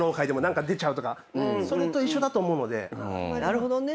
なるほどね。